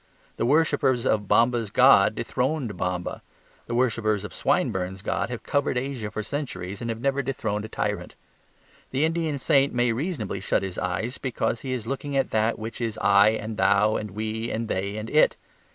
The worshippers of Bomba's god dethroned Bomba. The worshippers of Swinburne's god have covered Asia for centuries and have never dethroned a tyrant. The Indian saint may reasonably shut his eyes because he is looking at that which is I and Thou and We and They and It.